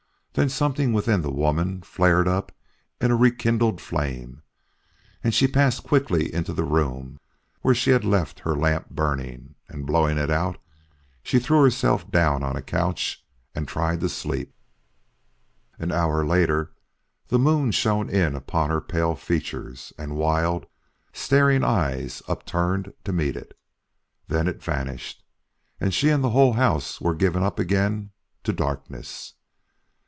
Then something within the woman flared up in a rekindled flame, and she passed quickly into the room where she had left her lamp burning; and blowing it out, she threw herself down on a couch and tried to sleep. An hour later the moon shone in upon her pale features and wild, staring eyes upturned to meet it. Then it vanished, and she and the whole house were given up again to darkness.